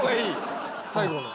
最後の。